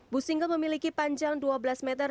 bus single memiliki panjang dua belas meter